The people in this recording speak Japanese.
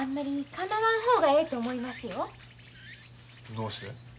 どうして？